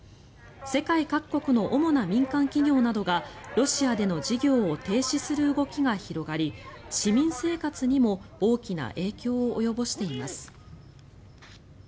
世界各国の主な民間企業などがロシアでの事業を停止する動きが広がり市民生活にも大きな影響を及ぼしています。